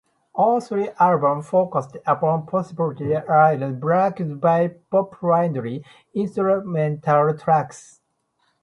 All three albums focused upon positive lyrics backed by pop-friendly instrumental tracks.